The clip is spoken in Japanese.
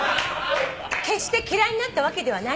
「決して嫌いになったわけではないのです」